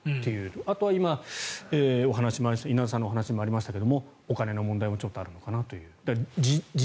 あとは今、稲田さんのお話にもありましたがお金の問題もあるのかなと。